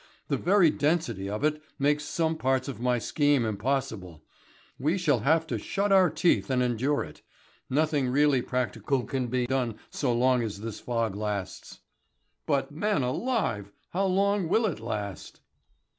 The very density of it makes some parts of my scheme impossible. We shall have to shut our teeth and endure it. Nothing really practical can be done so long as this fog lasts." "But, man alive, how long will it last?"